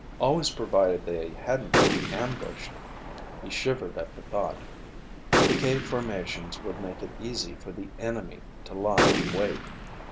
Always provided they hadn't been ambushed. He shivered at the thought. The cave formations would make it easy for the enemy to lie in wait.